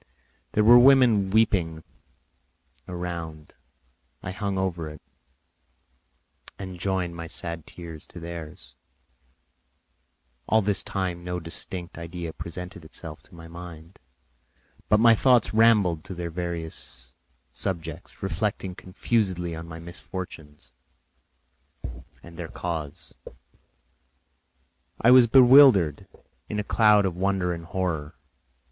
There were women weeping around; I hung over it and joined my sad tears to theirs; all this time no distinct idea presented itself to my mind, but my thoughts rambled to various subjects, reflecting confusedly on my misfortunes and their cause. I was bewildered, in a cloud of wonder and horror.